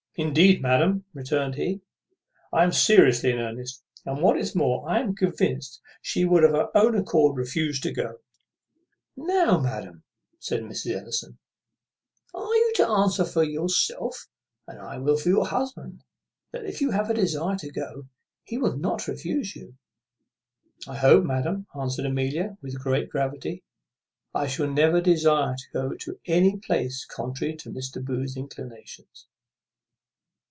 "Indeed, madam," returned he, "I am seriously in earnest. And, what is more, I am convinced she would of her own accord refuse to go." "Now, madam," said Mrs. Ellison, "you are to answer for yourself: and I will for your husband, that, if you have a desire to go, he will not refuse you." "I hope, madam," answered Amelia with great gravity, "I shall never desire to go to any place contrary to Mr. Booth's inclinations."